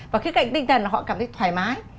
và cái cạnh tinh thần họ cảm thấy thoải mái